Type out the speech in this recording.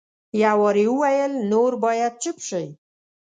یو وار یې وویل نور باید چپ شئ.